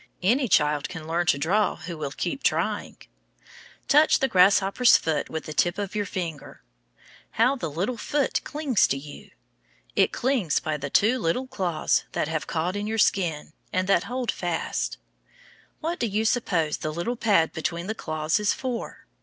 Any child can learn to draw who will keep trying. Touch the grasshopper's foot with the tip of your finger. How the little foot clings to you! It clings by the two little claws that have caught in your skin, and that hold fast. What do you suppose the little pad between the claws is for?